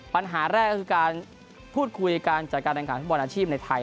ปัญหาแรกก็คือการพูดคุยการจัดการแข่งขันฟุตบอลอาชีพในไทย